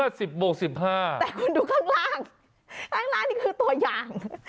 แต่คุณดูข้างล่างข้างล่างนี่คือตัวอย่าง